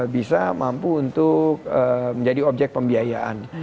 bisa mampu untuk menjadi objek pembiayaan